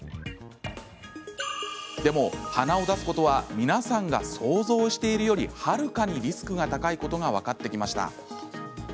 でも、鼻を出すことは皆さんが想像しているよりはるかにリスクが高いことが分かってきました。